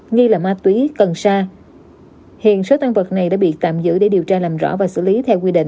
nghi là ma túy cần sa hiện số tăng vật này đã bị tạm giữ để điều tra làm rõ và xử lý theo quy định